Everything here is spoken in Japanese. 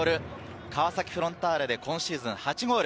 川崎フロンターレで今シーズン８ゴール。